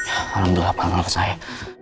alhamdulillah pak al nol ke saya